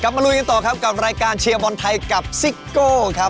กลับมาร่วมกันต่อครับรายการเชียร์บอลไทยกับซิ๊กโก้